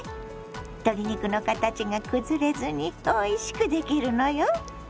鶏肉の形が崩れずにおいしくできるのよ。